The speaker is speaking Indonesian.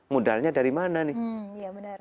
modalnya dari mana nih